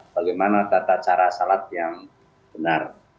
bagaimana tata cara sholat yang benar